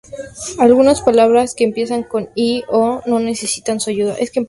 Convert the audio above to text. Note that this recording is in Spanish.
Algunas palabras que empiezan con "y" "o" o no necesitan su ayuda.